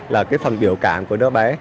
là cái phần biểu cảm của đứa bé